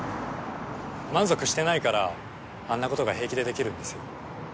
満足してないからあんなことが平気でできるんですよ